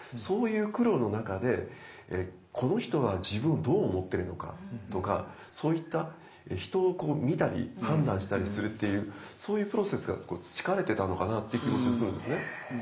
そういう苦労の中でこの人は自分をどう思ってるのかとかそういった人を見たり判断したりするっていうそういうプロセスが培われてたのかなという気もするんですね。